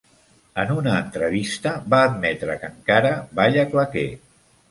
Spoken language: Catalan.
En una entrevista, va admetre que encara balla claqué.